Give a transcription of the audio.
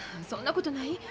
そんなことない。